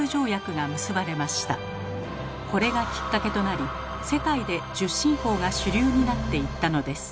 これがきっかけとなり世界で１０進法が主流になっていったのです。